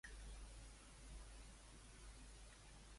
A quines peces artístiques?